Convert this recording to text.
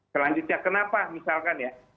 selanjutnya kenapa misalkan ya